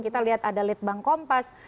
kita lihat ada litbang kompas